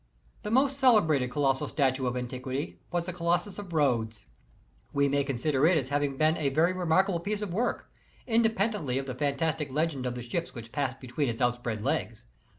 ' The most celebrated colossal statue ol antiquity was the Colossus of Rhodes. We may consider it as having been a very remarkable piece of work, independently of the fantastic legend of the ships which passed between its outspread legs.